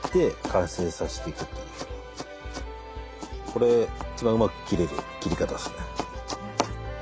これ一番うまく切れる切り方ですね。